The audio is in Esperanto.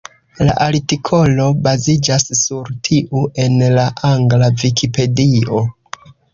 La artikolo baziĝas sur tiu en la angla Vikipedio.